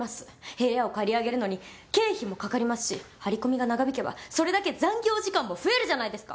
部屋を借り上げるのに経費もかかりますし張り込みが長引けばそれだけ残業時間も増えるじゃないですか。